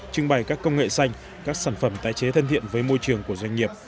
trưng bày các công nghệ xanh các sản phẩm tái chế thân thiện với môi trường của doanh nghiệp